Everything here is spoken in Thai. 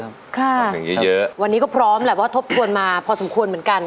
พูดถึงเยอะเยอะวันนี้ก็พร้อมแหละว่าทบทวนมาพอสมควรเหมือนกัน